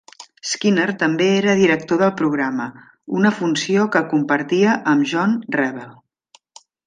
Skinner també era director del programa, una funció que compartia amb John Revell.